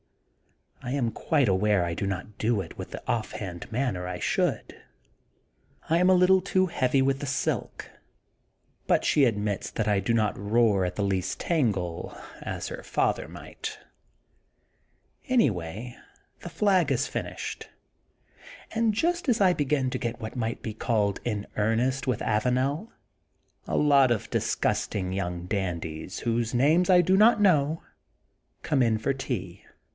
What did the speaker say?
I am quite aware I do not do it in the off hand manner I should. I am a little too heavy with the silk but she admits that I do not roar at the least tangle, as her father might. Anyway, the flag is finished. And just as I begin to get what might be called ^^in earnest" with Avanel, a lot of disgusting young dandies, whose names I do not know, come in for tea.